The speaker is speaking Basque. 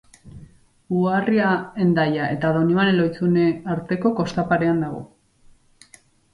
Uharria Hendaia eta Donibane-Lohizune arteko kosta parean dago.